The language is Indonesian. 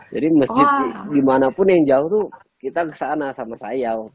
jadi masjid dimanapun yang jauh itu kita kesana sama sayaw